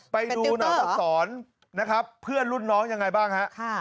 ไปดูหน่อยสอนเพื่อนรุ่นน้องยังไงบ้าง